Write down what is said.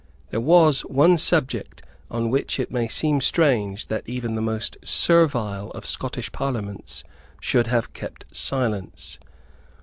There was one subject on which it may seem strange that even the most servile of Scottish Parliaments should have kept silence.